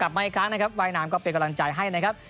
มาอีกครั้งนะครับว่ายน้ำก็เป็นกำลังใจให้นะครับ